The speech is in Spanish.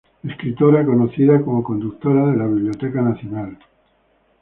Escritora, conocida como conductora de la Biblioteca Nacional.